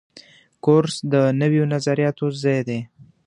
کورس د نویو نظریاتو ځای دی.